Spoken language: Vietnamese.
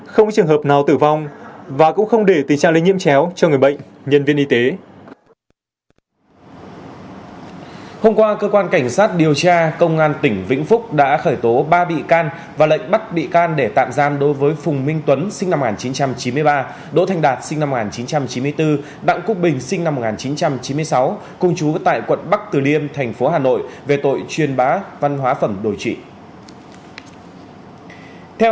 không có trường hợp nào tử vong và cũng không để tình trạng lây nhiễm chéo cho người bệnh nhân viên y tế